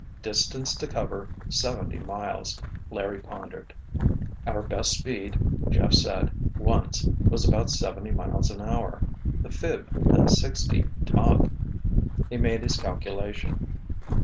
"Distance to cover, seventy miles," Larry pondered. "Our best speed, Jeff said, once, was about seventy miles an hour. The 'phib' does sixty, top." He made his calculation.